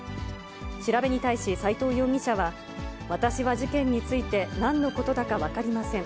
調べに対し、斎藤容疑者は、私は事件についてなんのことだか分かりません。